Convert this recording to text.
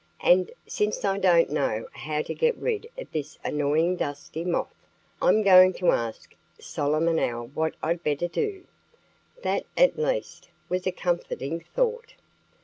And since I don't know how to get rid of this annoying Dusty Moth, I'm going to ask Solomon Owl what I'd better do." That, at least, was a comforting thought.